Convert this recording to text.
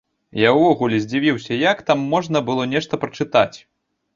Я ўвогуле здзівіўся, як там можна было нешта прачытаць!